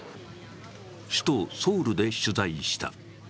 首都ソウルで取材した。